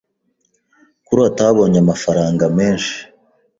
Kurota wabonye amafaranga menshi.